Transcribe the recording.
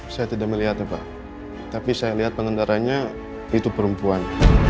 saya tidak melihatnya pak tapi saya lihat pengendaranya itu perempuan